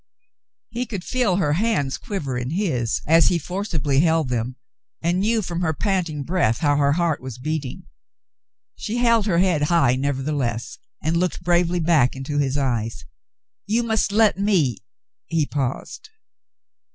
He could feel her hands quiver in his, as he forcibly held them, and knew from her panting breath how her heart was beating. She held her head high, nevertheless, and looked bravely back into his eyes. "You must let me —" he paused.